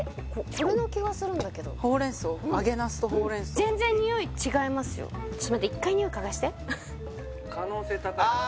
これの気がするんだけど揚げ茄子とほうれん草うん全然匂い違いますよちょっと待って１回匂い嗅がせて可能性高いあ